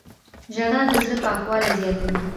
• ژړا د زړه پاکوالی زیاتوي.